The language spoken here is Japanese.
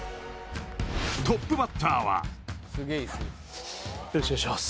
トップバッターはよろしくお願いしま